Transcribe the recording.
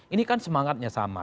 ini kan semangatnya sama